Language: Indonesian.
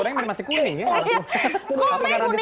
cikenkasu emang bisa bikin mbak eva